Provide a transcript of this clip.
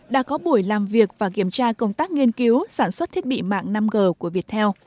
đã có buổi làm việc và kiểm tra công tác nghiên cứu sản xuất thiết bị mạng năm g của viettel